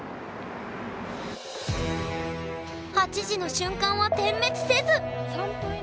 ８時の瞬間は点滅せず！